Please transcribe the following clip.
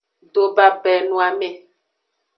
Dobabenoame.